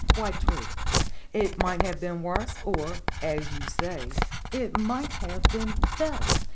"Quite true. It might have been worse, or, as you say, it might have been better.